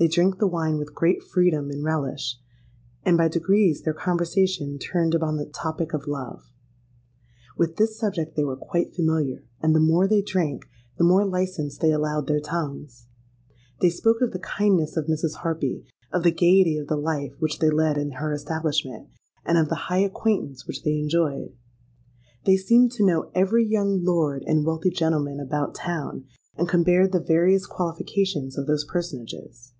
They drank the wine with great freedom and relish; and by degrees their conversation turned upon the topic of love. With this subject they were quite familiar; and the more they drank, the more license they allowed their tongues. They spoke of the kindness of Mrs. Harpy, of the gaiety of the life which they led in her establishment, and of the high acquaintance which they enjoyed. They seemed to know every young lord and wealthy gentleman about town, and compared the various qualifications of those personages.